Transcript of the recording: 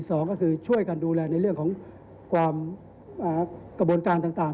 สองก็คือช่วยกันดูแลในเรื่องของความกระบวนการต่าง